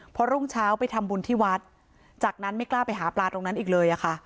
พอรุ่งเช้าไปทำบุญที่วัดจากนั้นไม่กล้าไปหาปลาตรงนั้นอีกเลยค่ะ